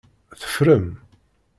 Teffrem.